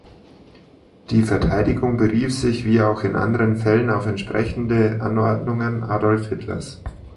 Die Verteidigung berief sich wie auch in anderen Fällen auf entsprechende Anordnungen Adolf Hitlers.